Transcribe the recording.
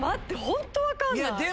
本当分かんない。